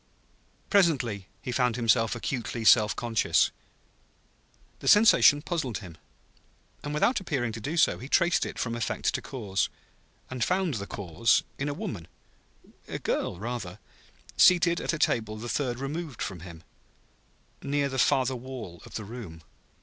Presently he found himself acutely self conscious. The sensation puzzled him; and without appearing to do so, he traced it from effect to cause; and found the cause in a woman a girl, rather, seated at a table the third removed from him, near the farther wall of the room.